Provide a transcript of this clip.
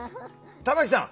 玉木さん